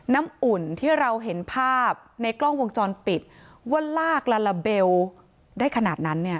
อุ่นที่เราเห็นภาพในกล้องวงจรปิดว่าลากลาลาเบลได้ขนาดนั้นเนี่ย